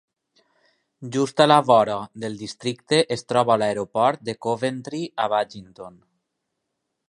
Just a la vora del districte es troba l'aeroport de Coventry a Baginton.